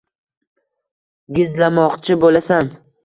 gizlamoqchi boʼlasan